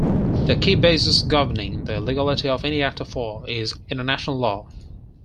The key basis governing the legality of any act of war is international law.